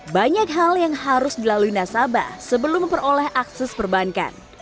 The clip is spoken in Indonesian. banyak hal yang harus dilalui nasabah sebelum memperoleh akses perbankan